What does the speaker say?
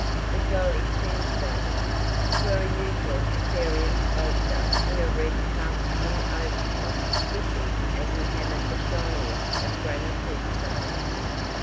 The jolly tombstone yard, where a utilitarian sculptor in a red calfskin overcoat whistled as he hammered the shiniest of granite headstones.